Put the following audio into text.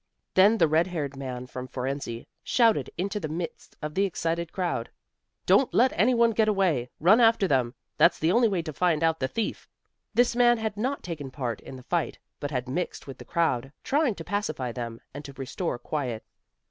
Then the red haired man from Fohrensee shouted into the midst of the excited crowd, "Don't let any one get away. Run after them! That's the only way to find out the thief!" This man had not taken part in the fight, but had mixed with the crowd, trying to pacify them, and to restore quiet.